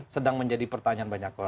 sedang menjadi pertanyaan banyak